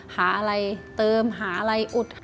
หาอะไรเติมหาอะไรอุด